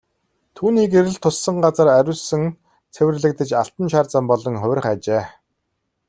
Түүний гэрэл туссан газар ариусан цэвэрлэгдэж алтан шар зам болон хувирах ажээ.